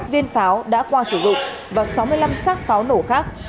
bốn mươi một viên pháo đã qua sử dụng và sáu mươi năm sát pháo nổ khác